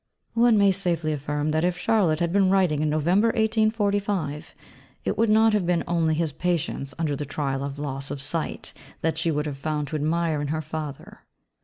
One may safely affirm that if Charlotte had been writing in November 1845 it would not have been only his patience under the trial of loss of sight that she would have found to admire in her father.